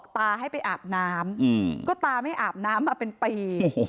ตาไม่อาบน้ำมาเป็นปี